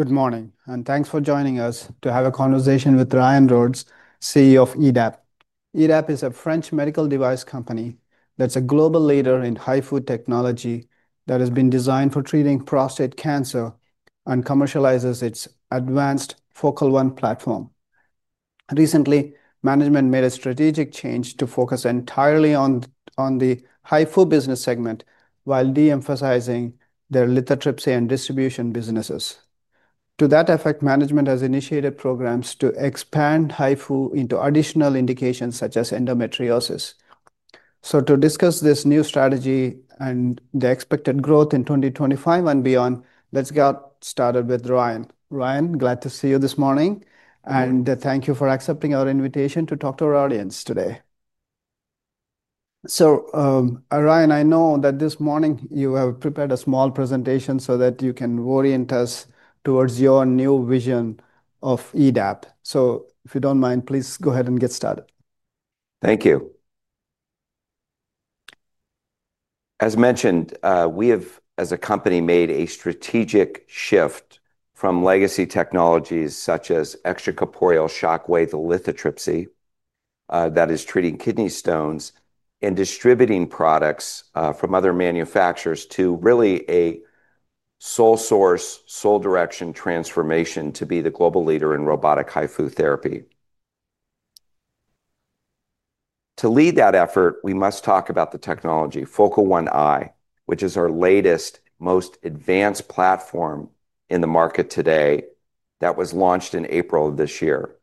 Good morning, and thanks for joining us to have a conversation with Ryan Rhodes, CEO of EDAP TMS. EDAP TMS is a French medical device company that's a global leader in HIFU technology that has been designed for treating prostate cancer and commercializes its advanced FocalOne platform. Recently, management made a strategic change to focus entirely on the HIFU business segment while de-emphasizing their lithotripsy and distribution businesses. To that effect, management has initiated programs to expand HIFU into additional indications such as endometriosis treatment. To discuss this new strategy and the expected growth in 2025 and beyond, let's get started with Ryan. Ryan, glad to see you this morning, and thank you for accepting our invitation to talk to our audience today. Ryan, I know that this morning you have prepared a small presentation so that you can orient us towards your new vision of EDAP TMS. If you don't mind, please go ahead and get started. Thank you. As mentioned, we have, as a company, made a strategic shift from legacy technologies such as extracorporeal shockwave lithotripsy that is treating kidney stones and distributing products from other manufacturers to really a sole source, sole direction transformation to be the global leader in robotic HIFU therapy. To lead that effort, we must talk about the technology FocalOne-i, which is our latest, most advanced platform in the market today that was launched in April of this year.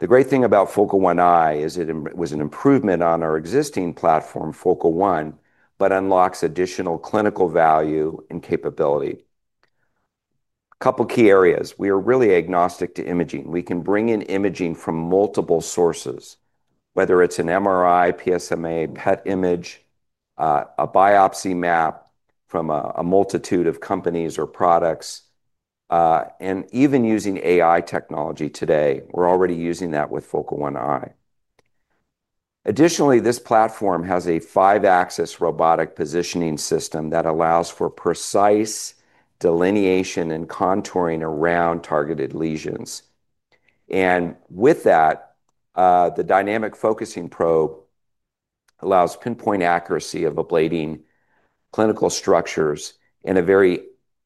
The great thing about FocalOne-i is it was an improvement on our existing platform, FocalOne, but unlocks additional clinical value and capability. A couple of key areas: we are really agnostic to imaging. We can bring in imaging from multiple sources, whether it's an MRI, PSMA, PET image, a biopsy map from a multitude of companies or products, and even using AI technology today. We're already using that with FocalOne-i. Additionally, this platform has a five-axis robotic positioning system that allows for precise delineation and contouring around targeted lesions. With that, the dynamic focusing probe allows pinpoint accuracy of ablating clinical structures in a very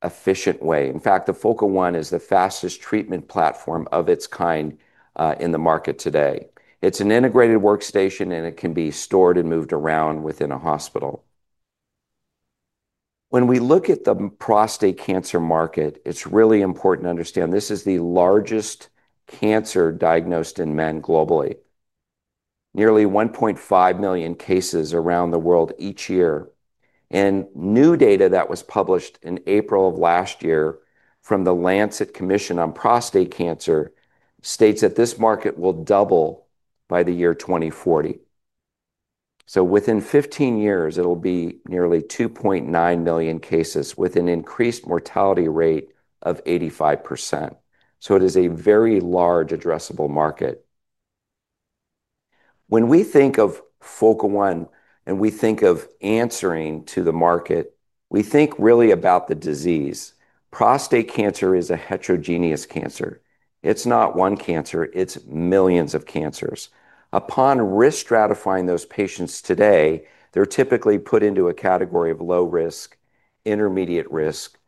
efficient way. In fact, the FocalOne is the fastest treatment platform of its kind in the market today. It's an integrated workstation, and it can be stored and moved around within a hospital. When we look at the prostate cancer market, it's really important to understand this is the largest cancer diagnosed in men globally. Nearly 1.5 million cases around the world each year. New data that was published in April of last year from the Lancet Commission on Prostate Cancer states that this market will double by the year 2040. Within 15 years, it'll be nearly 2.9 million cases with an increased mortality rate of 85%. It is a very large addressable market. When we think of FocalOne and we think of answering to the market, we think really about the disease. Prostate cancer is a heterogeneous cancer. It's not one cancer; it's millions of cancers. Upon risk stratifying those patients today, they're typically put into a category of low risk, intermediate risk,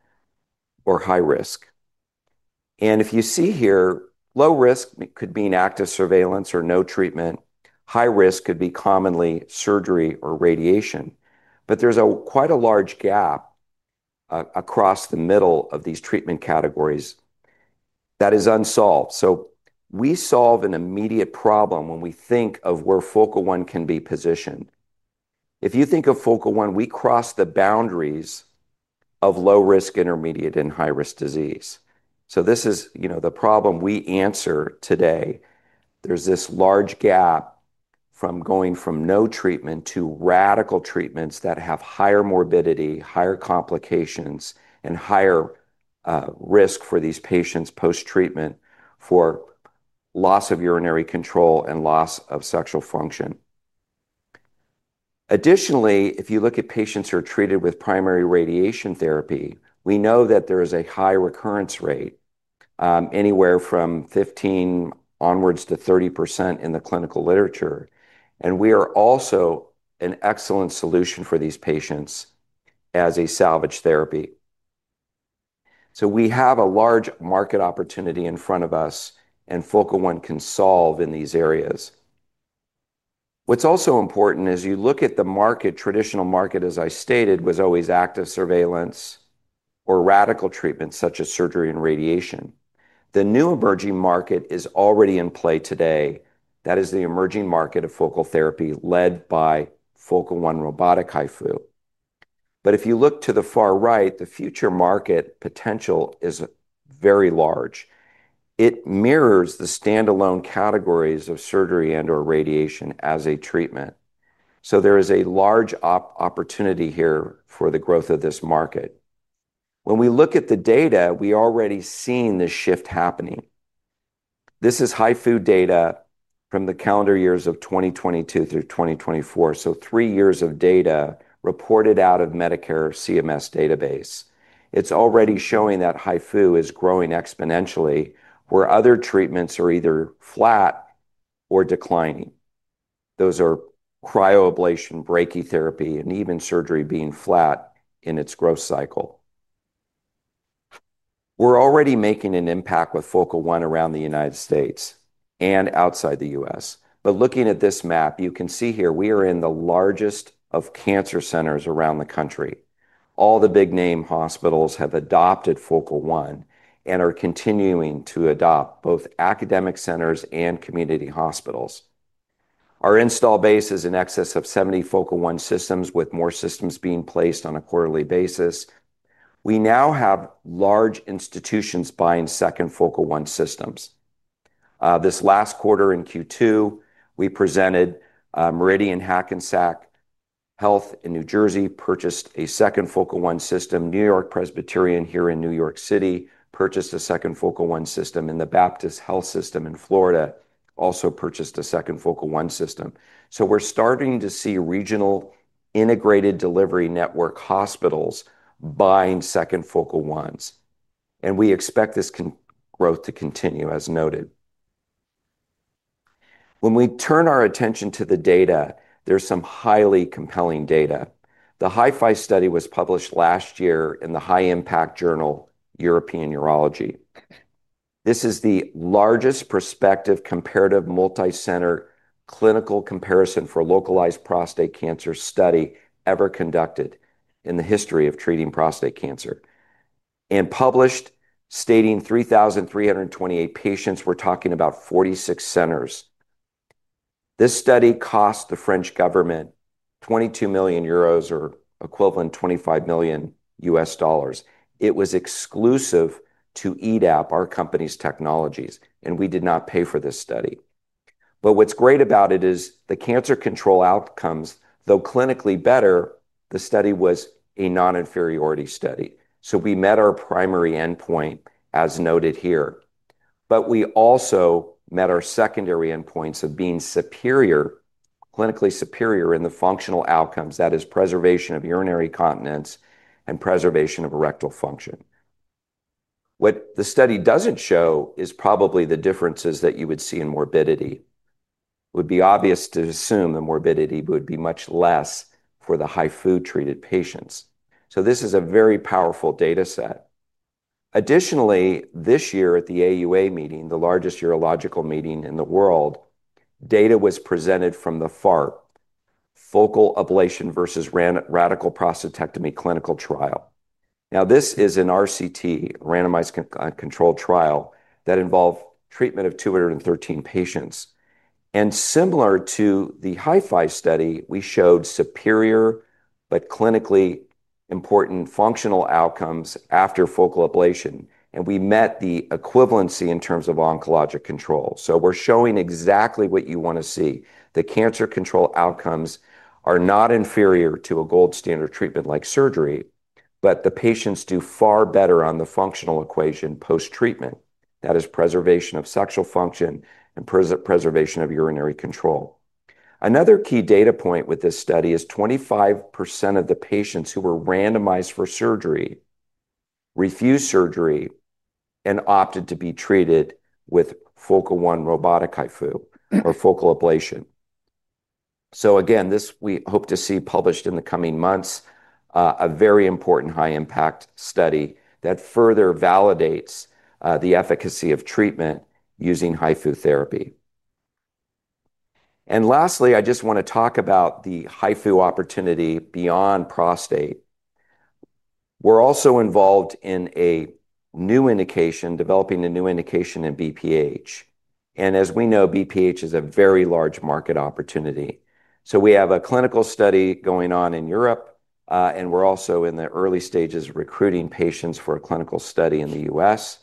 or high risk. If you see here, low risk could mean active surveillance or no treatment. High risk could be commonly surgery or radiation. There's quite a large gap across the middle of these treatment categories that is unsolved. We solve an immediate problem when we think of where FocalOne can be positioned. If you think of FocalOne, we cross the boundaries of low risk, intermediate, and high risk disease. This is, you know, the problem we answer today. There's this large gap from going from no treatment to radical treatments that have higher morbidity, higher complications, and higher risk for these patients post-treatment for loss of urinary control and loss of sexual function. Additionally, if you look at patients who are treated with primary radiation therapy, we know that there is a high recurrence rate, anywhere from 15% onwards to 30% in the clinical literature. We are also an excellent solution for these patients as a salvage therapy. We have a large market opportunity in front of us, and FocalOne can solve in these areas. What's also important is you look at the market. Traditional market, as I stated, was always active surveillance or radical treatments such as surgery and radiation. The new emerging market is already in play today. That is the emerging market of focal therapy led by FocalOne robotic HIFU. If you look to the far right, the future market potential is very large. It mirrors the standalone categories of surgery and/or radiation as a treatment. There is a large opportunity here for the growth of this market. When we look at the data, we already see this shift happening. This is HIFU data from the calendar years of 2022 through 2024. Three years of data reported out of Medicare CMS database. It's already showing that HIFU is growing exponentially, where other treatments are either flat or declining. Those are cryoablation, brachytherapy, and even surgery being flat in its growth cycle. We're already making an impact with FocalOne around the United States and outside the U.S. Looking at this map, you can see here we are in the largest of cancer centers around the country. All the big-name hospitals have adopted FocalOne and are continuing to adopt both academic centers and community hospitals. Our install base is in excess of 70 FocalOne systems, with more systems being placed on a quarterly basis. We now have large institutions buying second FocalOne systems. This last quarter in Q2, we presented Meridian Hackensack Health in New Jersey, purchased a second FocalOne system. New York Presbyterian here in New York City purchased a second FocalOne system, and the Baptist Health System in Florida also purchased a second FocalOne system. We're starting to see regional integrated delivery network hospitals buying second FocalOnes. We expect this growth to continue, as noted. When we turn our attention to the data, there's some highly compelling data. The HiFi study was published last year in the high-impact journal European Urology. This is the largest prospective comparative multicenter clinical comparison for localized prostate cancer study ever conducted in the history of treating prostate cancer. It was published, stating 3,328 patients, we're talking about 46 centers. This study cost the French government €22 million or equivalent $25 million. It was exclusive to EDAP TMS, our company's technologies, and we did not pay for this study. What's great about it is the cancer control outcomes, though clinically better, the study was a non-inferiority study. We met our primary endpoint, as noted here. We also met our secondary endpoints of being superior, clinically superior in the functional outcomes. That is, preservation of urinary continence and preservation of erectile function. What the study doesn't show is probably the differences that you would see in morbidity. It would be obvious to assume the morbidity would be much less for the HIFU-treated patients. This is a very powerful data set. Additionally, this year at the AUA meeting, the largest urological meeting in the world, data was presented from the FARP, Focal Ablation versus Radical Prostatectomy Clinical Trial. This is an RCT, randomized controlled trial, that involved treatment of 213 patients. Similar to the HiFi study, we showed superior but clinically important functional outcomes after focal ablation. We met the equivalency in terms of oncologic control. We're showing exactly what you want to see. The cancer control outcomes are not inferior to a gold standard treatment like surgery, but the patients do far better on the functional equation post-treatment. That is, preservation of sexual function and preservation of urinary control. Another key data point with this study is 25% of the patients who were randomized for surgery refused surgery and opted to be treated with FocalOne robotic HIFU or focal ablation. We hope to see this published in the coming months, a very important high-impact study that further validates the efficacy of treatment using HIFU therapy. Lastly, I just want to talk about the HIFU opportunity beyond prostate. We're also involved in a new indication, developing a new indication in BPH. As we know, BPH is a very large market opportunity. We have a clinical study going on in Europe, and we're also in the early stages of recruiting patients for a clinical study in the U.S.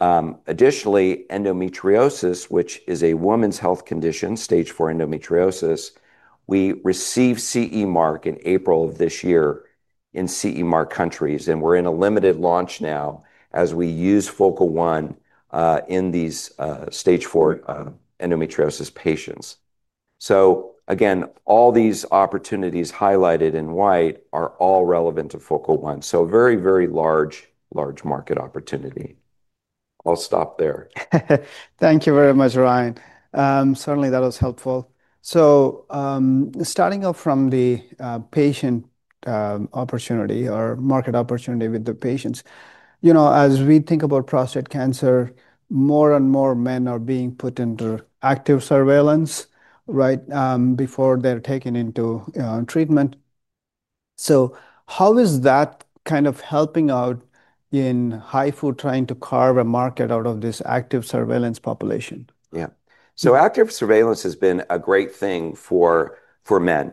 Additionally, endometriosis, which is a woman's health condition, stage IV endometriosis, we received CE Mark in April of this year in CE Mark countries, and we're in a limited launch now as we use FocalOne in these stage IV endometriosis patients. All these opportunities highlighted in white are all relevant to FocalOne. Very, very large, large market opportunity. I'll stop there. Thank you very much, Ryan. Certainly, that was helpful. Starting off from the patient opportunity or market opportunity with the patients, as we think about prostate cancer, more and more men are being put under active surveillance, right, before they're taken into treatment. How is that kind of helping out in HIFU trying to carve a market out of this active surveillance population? Yeah. Active surveillance has been a great thing for men,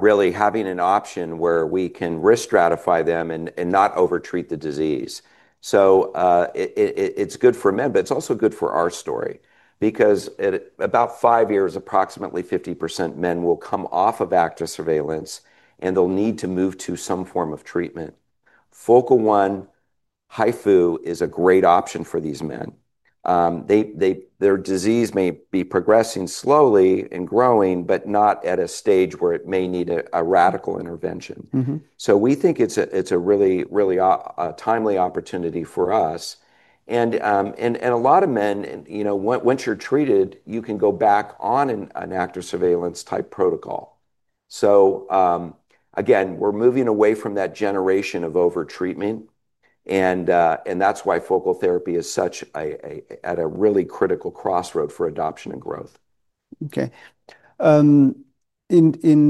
really having an option where we can risk stratify them and not overtreat the disease. It's good for men, but it's also good for our story because at about five years, approximately 50% of men will come off of active surveillance and they'll need to move to some form of treatment. FocalOne HIFU is a great option for these men. Their disease may be progressing slowly and growing, but not at a stage where it may need a radical intervention. We think it's a really, really timely opportunity for us. A lot of men, you know, once you're treated, you can go back on an active surveillance type protocol. We're moving away from that generation of overtreatment, and that's why focal therapy is at a really critical crossroad for adoption and growth. Okay. In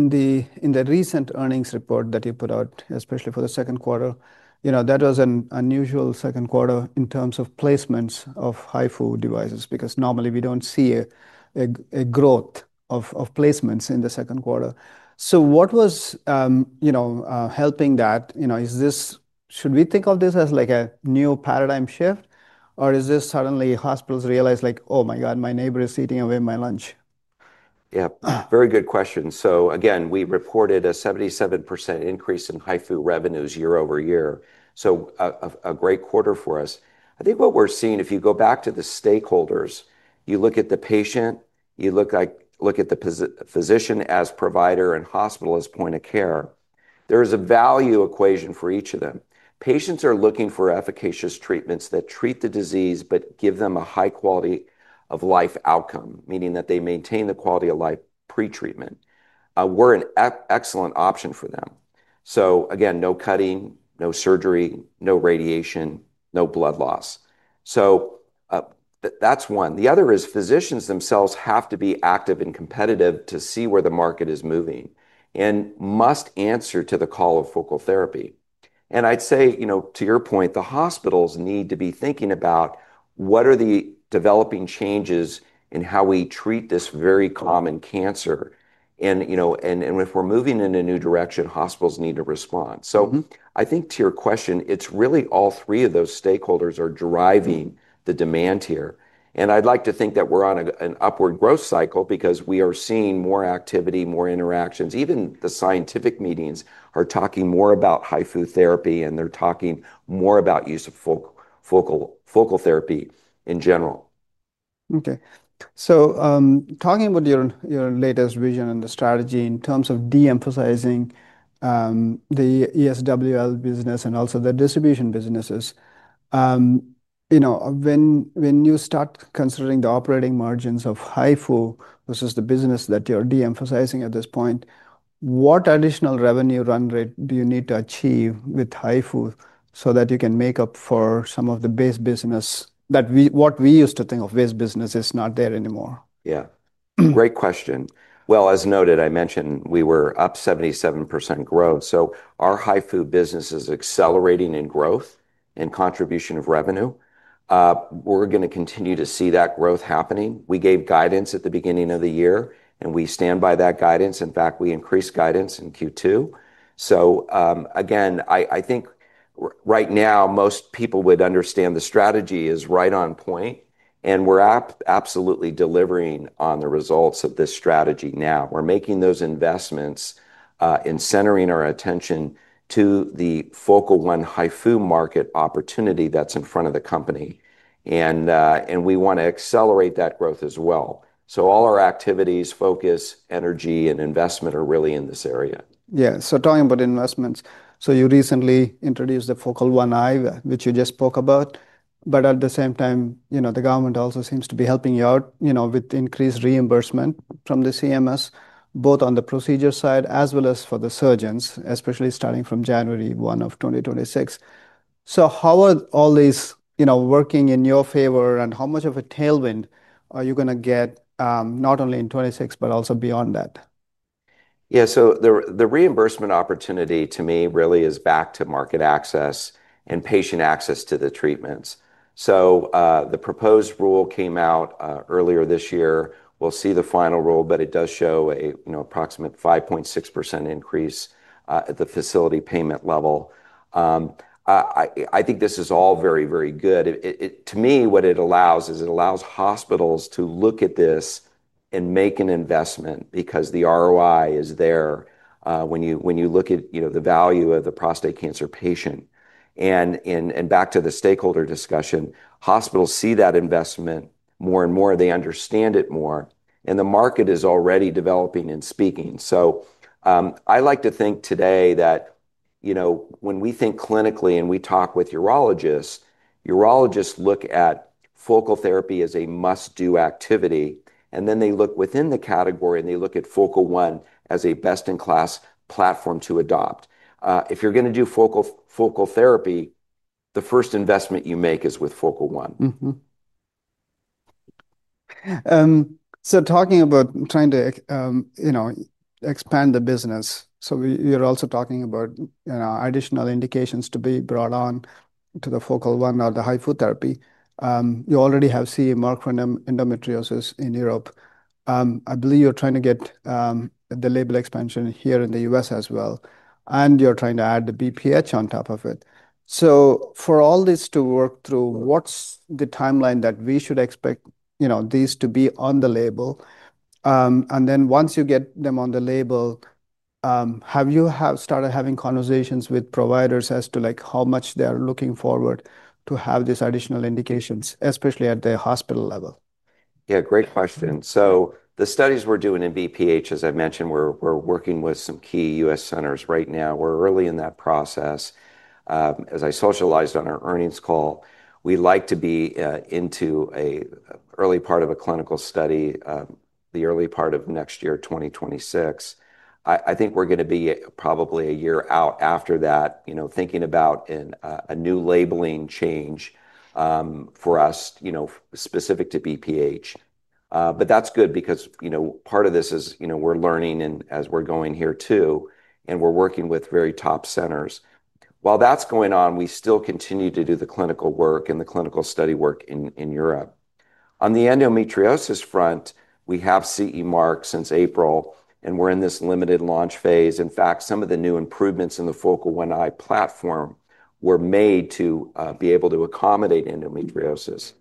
the recent earnings report that you put out, especially for the second quarter, that was an unusual second quarter in terms of placements of HIFU devices because normally we don't see a growth of placements in the second quarter. What was helping that? Should we think of this as like a new paradigm shift or is this suddenly hospitals realize like, oh my God, my neighbor is eating away my lunch? Yeah, very good question. Again, we reported a 77% increase in HIFU revenues year over year, so a great quarter for us. I think what we're seeing, if you go back to the stakeholders, you look at the patient, you look at the physician as provider and hospital as point of care, there is a value equation for each of them. Patients are looking for efficacious treatments that treat the disease but give them a high quality of life outcome, meaning that they maintain the quality of life pre-treatment. We're an excellent option for them. No cutting, no surgery, no radiation, no blood loss. That's one. The other is physicians themselves have to be active and competitive to see where the market is moving and must answer to the call of focal therapy. I'd say, to your point, the hospitals need to be thinking about what are the developing changes in how we treat this very common cancer. If we're moving in a new direction, hospitals need to respond. I think to your question, it's really all three of those stakeholders are driving the demand here. I'd like to think that we're on an upward growth cycle because we are seeing more activity, more interactions. Even the scientific meetings are talking more about HIFU therapy, and they're talking more about the use of focal therapy in general. Okay. Talking about your latest vision and the strategy in terms of de-emphasizing the ESWL business and also the distribution businesses, when you start considering the operating margins of HIFU versus the business that you're de-emphasizing at this point, what additional revenue run rate do you need to achieve with HIFU so that you can make up for some of the base business that what we used to think of base business is not there anymore? Great question. As noted, I mentioned we were up 77% growth. Our HIFU business is accelerating in growth and contribution of revenue. We're going to continue to see that growth happening. We gave guidance at the beginning of the year, and we stand by that guidance. In fact, we increased guidance in Q2. I think right now most people would understand the strategy is right on point, and we're absolutely delivering on the results of this strategy now. We're making those investments and centering our attention to the FocalOne HIFU market opportunity that's in front of the company. We want to accelerate that growth as well. All our activities, focus, energy, and investment are really in this area. Yeah. Talking about investments, you recently introduced the FocalOne-i, which you just spoke about. At the same time, the government also seems to be helping you out with increased reimbursement from the CMS, both on the procedure side as well as for the surgeons, especially starting from January 1, 2026. How are all these working in your favor and how much of a tailwind are you going to get not only in 2026 but also beyond that? Yeah. The reimbursement opportunity to me really is back to market access and patient access to the treatments. The proposed rule came out earlier this year. We'll see the final rule, but it does show a, you know, approximate 5.6% increase at the facility payment level. I think this is all very, very good. To me, what it allows is it allows hospitals to look at this and make an investment because the ROI is there when you look at, you know, the value of the prostate cancer patient. Back to the stakeholder discussion, hospitals see that investment more and more. They understand it more, and the market is already developing and speaking. I like to think today that, you know, when we think clinically and we talk with urologists, urologists look at focal therapy as a must-do activity, and then they look within the category and they look at FocalOne as a best-in-class platform to adopt. If you're going to do focal therapy, the first investment you make is with FocalOne. Talking about trying to expand the business, you're also talking about additional indications to be brought on to the FocalOne or the HIFU therapy. You already have CE Mark for endometriosis in Europe. I believe you're trying to get the label expansion here in the U.S. as well, and you're trying to add the BPH on top of it. For all this to work through, what's the timeline that we should expect these to be on the label? Once you get them on the label, have you started having conversations with providers as to how much they're looking forward to have these additional indications, especially at the hospital level? Yeah, great question. The studies we're doing in BPH, as I mentioned, we're working with some key U.S. centers right now. We're early in that process. As I socialized on our earnings call, we'd like to be into an early part of a clinical study, the early part of next year, 2026. I think we're going to be probably a year out after that, thinking about a new labeling change for us, specific to BPH. That's good because part of this is, we're learning as we're going here too, and we're working with very top centers. While that's going on, we still continue to do the clinical work and the clinical study work in Europe. On the endometriosis front, we have CE Mark since April, and we're in this limited launch phase. In fact, some of the new improvements in the FocalOne-i platform were made to be able to accommodate endometriosis.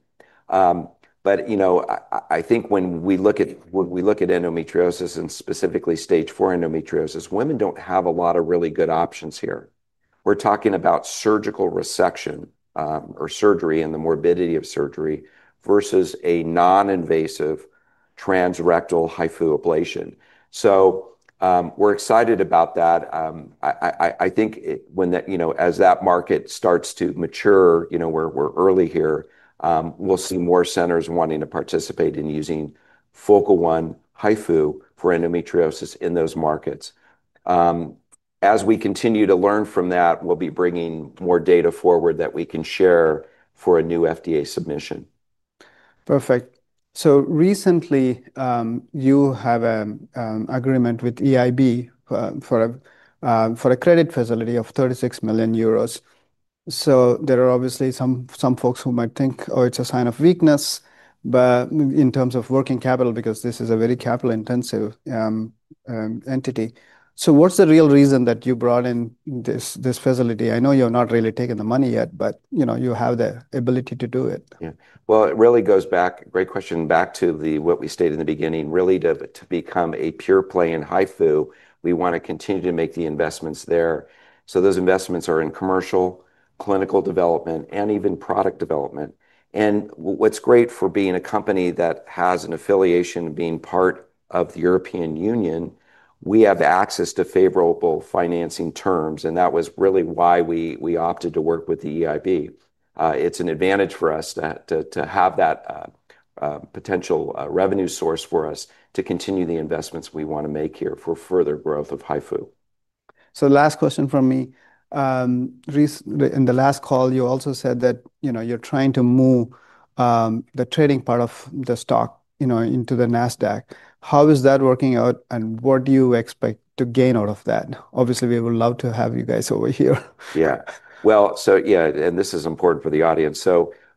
I think when we look at endometriosis and specifically stage IV endometriosis, women don't have a lot of really good options here. We're talking about surgical resection or surgery and the morbidity of surgery versus a non-invasive transrectal HIFU ablation. We're excited about that. I think as that market starts to mature, we're early here, we'll see more centers wanting to participate in using FocalOne HIFU for endometriosis in those markets. As we continue to learn from that, we'll be bringing more data forward that we can share for a new FDA submission. Perfect. Recently, you have an agreement with the European Investment Bank for a credit facility of €36 million. There are obviously some folks who might think, oh, it's a sign of weakness in terms of working capital, because this is a very capital-intensive entity. What's the real reason that you brought in this facility? I know you're not really taking the money yet, but you have the ability to do it. Yeah. It really goes back, great question, back to what we stated in the beginning, really to become a pure play in HIFU. We want to continue to make the investments there. Those investments are in commercial, clinical development, and even product development. What's great for being a company that has an affiliation being part of the European Union, we have access to favorable financing terms, and that was really why we opted to work with the European Investment Bank. It's an advantage for us to have that potential revenue source for us to continue the investments we want to make here for further growth of HIFU. Last question from me. In the last call, you also said that, you know, you're trying to move the trading part of the stock, you know, into the NASDAQ. How is that working out and what do you expect to gain out of that? Obviously, we would love to have you guys over here. Yeah, this is important for the audience.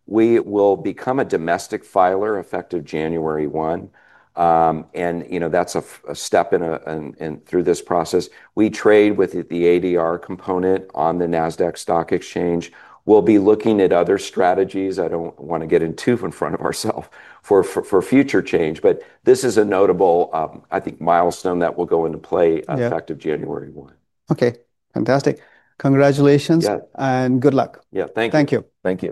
We will become a domestic filer effective January 1. You know, that's a step in through this process. We trade with the ADR component on the NASDAQ stock exchange. We'll be looking at other strategies. I don't want to get too in front of ourselves for future change, but this is a notable, I think, milestone that will go into play effective January 1. Okay. Fantastic. Congratulations and good luck. Yeah, thank you. Thank you. Thank you.